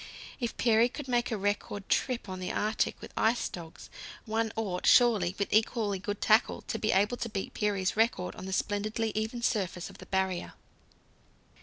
If Peary could make a record trip on the Arctic ice with dogs, one ought, surely, with equally good tackle, to be able to beat Peary's record on the splendidly even surface of the Barrier.